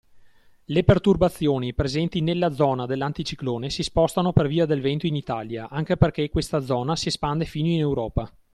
Le perturbazioni presenti nella zone dell'anticiclone si spostano per via del vento in Italia anche perché questa zona si espande fino in Europa.